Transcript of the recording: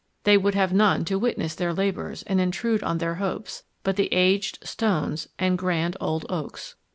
They would have none to witness their labours and intrude on their hopes, but the aged stones and grand old oaks.